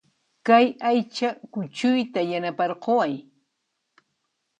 Kay aycha kuchuyta yanaparqukuway